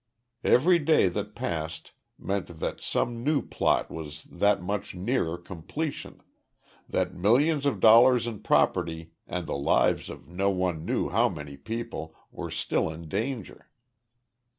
Every day that passed meant that some new plot was that much nearer completion that millions of dollars in property and the lives of no one knew how many people were still in danger.